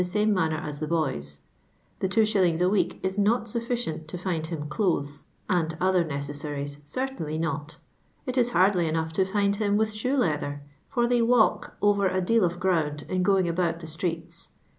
ime manner as the boys. The 2.<. H n cek is not sufficient to fmd \\\m dol\ies «;i\di other necessaries, certainly not; it it hardly enough to find him with shoe leather, for they w<ilk over a deal of ground in going al»out the streets.